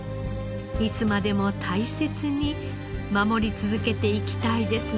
いつまでも大切に守り続けていきたいですね。